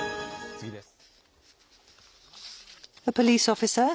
次です。